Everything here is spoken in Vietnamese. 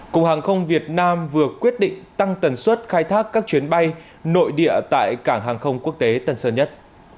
cục hàng không việt nam vừa quyết định tăng tần suất khai thác các chuyến bay nội địa tại cảng hàng không quốc tế tân sơn nhất